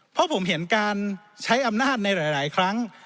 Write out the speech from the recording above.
เพราะผมเห็นการใช้อำนาจในหลายครั้ง